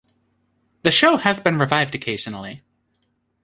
The show has been revived occasionally.